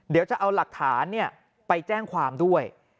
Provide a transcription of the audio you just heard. เดี๋ยวจะเอาหลักฐานไปแจ้งความด้วย